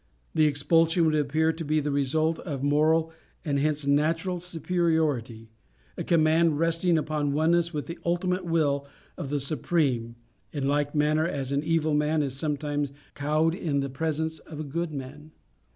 The expulsion would appear to be the result of moral, and hence natural, superiority a command resting upon oneness with the ultimate will of the Supreme, in like manner as an evil man is sometimes cowed in the presence of a good man.